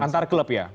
antar klub ya